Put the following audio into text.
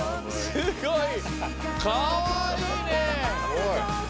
すごい！